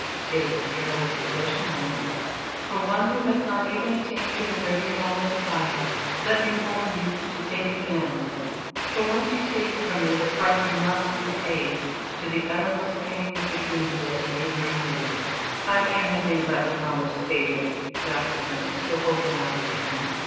"It is a perilous possession, Highness, for one who has not even attained to the Greater Knowledge, as I have. Let me warn you to think again, for once you take it from me the price must be paid to the uttermost pang of the doom that it may bring with it." "I care nothing about your knowledges, Phadrig," laughed the Prince, still holding out his hand.